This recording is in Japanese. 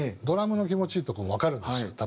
ドラムの気持ちいいとこもわかるんですよ